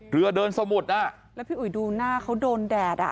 เรือเดินสมุดอ่ะแล้วพี่อุ๋ยดูหน้าเขาโดนแดดอ่ะ